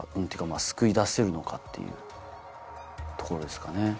救い出せるのかっていうところですかね。